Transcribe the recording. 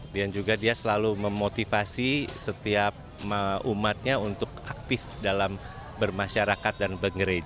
juga dia selalu memotivasi setiap umatnya untuk aktif dalam bermasyarakat dan bergereja